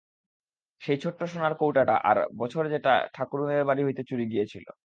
সেই ছোট্ট সোনার কৌটাটা আর বছর যেটা সেজ ঠাকরুনদের বাড়ি হইতে চুরি গিয়াছিল।